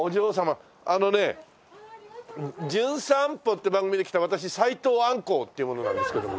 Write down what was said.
あのね『じゅん散歩』って番組で来た私斉藤アンコーっていう者なんですけども。